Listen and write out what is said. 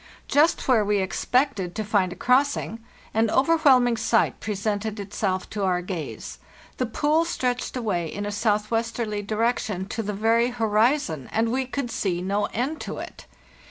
Just where we expected to find a crossing, an overwhelming sight presented itself to our gaze; the pool stretched away in a southwesterly direction to the very horizon, and we could see no end to it!